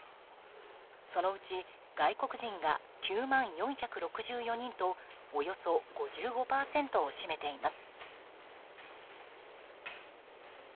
そのうち外国人が９万４６４人とおよそ５５％を占めています。